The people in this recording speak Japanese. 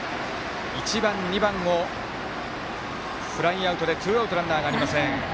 １番、２番をフライアウトでツーアウト、ランナーありません。